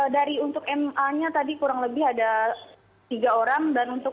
dari untuk ma nya tadi kurang lebih ada tiga orang dan untuk